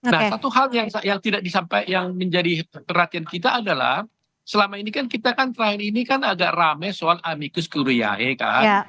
nah satu hal yang menjadi perhatian kita adalah selama ini kan kita kan terakhir ini kan agak rame soal amikus kuruyae kan